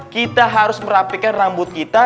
kita harus merapikan rambut kita